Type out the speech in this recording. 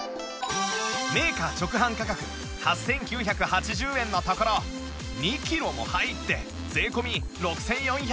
メーカー直販価格８９８０円のところ２キロも入って税込６４８０円